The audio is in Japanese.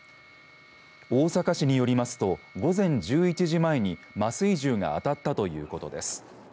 大阪市によりますと午前１１時前に麻酔銃が当たったということです。